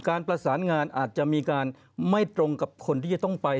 การประสานงานอาจจะมีการไม่ตรงกับคนที่จะต้องไป